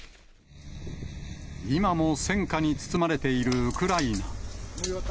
今も戦火に包まれているウクライナ。